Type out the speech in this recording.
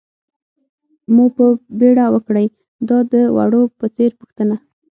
مو په بېړه وکړئ، دا د وړو په څېر پوښتنه.